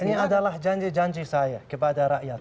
ini adalah janji janji saya kepada rakyat